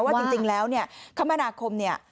ว่าจริงแล้วคมนาคมเนี่ย